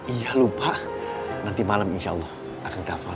iya lupa nanti malam insya allah akan dapat